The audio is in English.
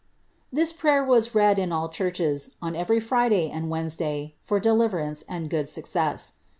* rhis prayer was read in all churches, on every Friday and Wediies ^, for delhrerance and good success.